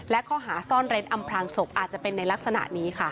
และข้อหาซ่อนเร้นอำพลางศพอาจจะเป็นในลักษณะนี้ค่ะ